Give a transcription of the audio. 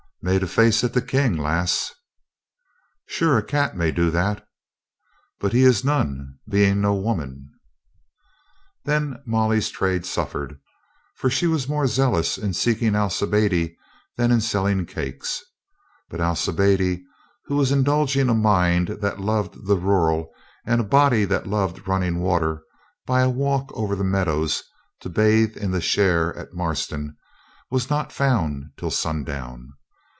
"Made a face at the King, lass !" "Sure a cat may do that" "But he is none, being no woman." Then Molly's trade suffered, for she was more zealous in seeking Alcibiade than in selling cakes. But Alcibiade, who was indulging a mind that loved the rural and a body that loved running wa ter by a walk over the meadows to bathe in the Cher at Marston, was not found till sundown.